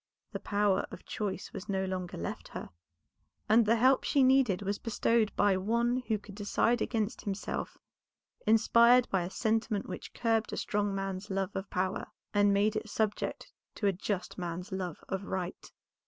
The power of choice was no longer left her, and the help she needed was bestowed by one who could decide against himself, inspired by a sentiment which curbed a strong man's love of power, and made it subject to a just man's love of right.